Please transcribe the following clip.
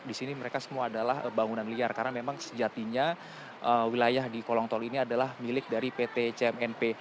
di sini mereka semua adalah bangunan liar karena memang sejatinya wilayah di kolong tol ini adalah milik dari pt cmnp